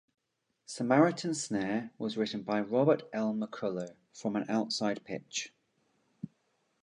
"Samaritan Snare" was written by Robert L. McCullough from an outside pitch.